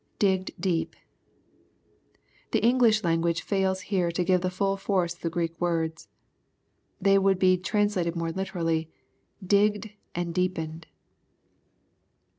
[Digged deep.] The English language fails here to give the full force of the Greek words. They would be translated more literally, " digged and deepened."